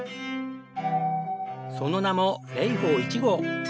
その名も「麗峰１号」。